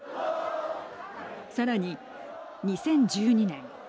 さらに、２０１２年。